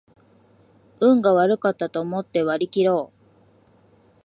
運が悪かったと思って割りきろう